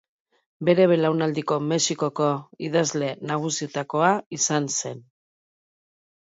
Bere belaunaldiko Mexikoko idazle nagusietakoa izan zen.